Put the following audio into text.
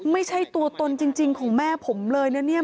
ไม่ใช่ตัวตนจริงของแม่ผมเลย